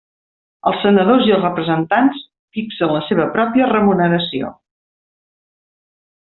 Els senadors i els representants fixen la seva pròpia remuneració.